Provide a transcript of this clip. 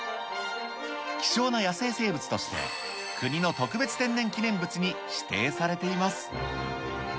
希少な野生生物として国の特別天然記念物に指定されています。